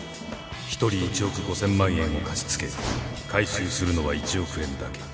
一人１億５，０００万円を貸し付け回収するのは１億円だけ。